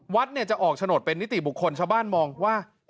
วัดจะออกฉโนธเป็นนิติบุคคลชาวบ้านมองว่า